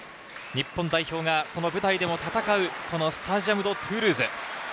日本代表がその舞台でも戦うこのスタジアム・ド・トゥールーズ。